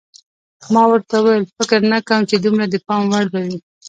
ما ورته وویل: فکر نه کوم چې دومره د پام وړ به وي.